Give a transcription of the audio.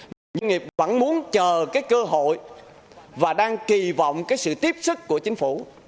doanh nghiệp vẫn muốn chờ cái cơ hội và đang kỳ vọng cái sự tiếp sức của chính phủ